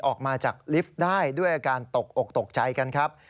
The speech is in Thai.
ออกมาจากลิฟต์ได้ด้วยอาการตกอกตกใจกันครับ